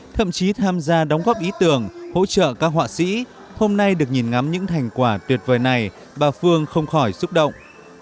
thậm chí tham gia đóng góp ý tưởng hỗ trợ các họa sĩ hôm nay được nhìn ngắm những thành quả tuyệt vời này bà phương không khỏi xúc động